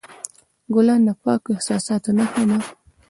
ګلان د پاکو احساساتو نښه ده.